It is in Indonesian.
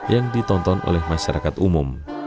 yang ditonton oleh masyarakat umum